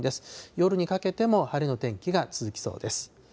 夜にかけても晴れの天気が続きそうです。